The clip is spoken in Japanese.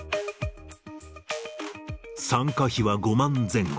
参加費は５万前後。